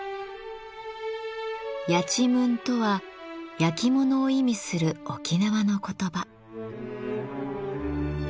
「やちむん」とは「やきもの」を意味する沖縄の言葉。